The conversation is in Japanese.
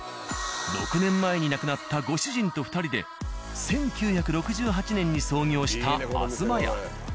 ６年前に亡くなったご主人と２人で１９６８年に創業した「あづま家」。